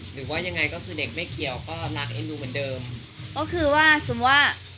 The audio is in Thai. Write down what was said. หรือว่ายังไงก็คือเด็กไม่เกี่ยวก็รักเอ็นดูเหมือนเดิมก็คือว่าสมมุติว่า